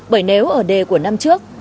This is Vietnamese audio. bởi nếu ở đề của năm trước